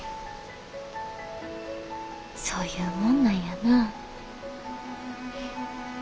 そういうもんなんやな。